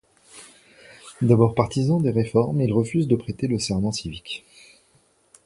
D'abord partisan des réformes, il refuse de prêter le serment civique.